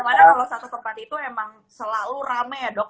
kita lihat kemana mana kalau satu tempat itu emang selalu rame ya dok